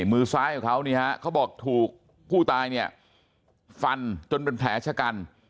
มือซ้ายของเขานี่ฮะเขาบอกถูกผู้ตายเนี่ยฟันจนเป็นแผลชะกัน